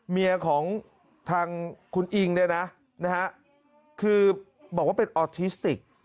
เมียของทางคุณอิงเนี่ยนะคือบอกว่าเป็นออทิสติก